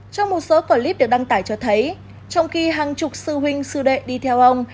trong một số clip được đăng tải cho thấy trong khi hàng chục sư huynh sư đệ đi theo ông